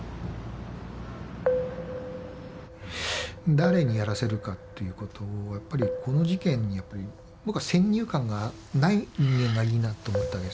誰にやらせるかっていうことをやっぱりこの事件に僕は先入観がない人間がいいなと思ったわけです。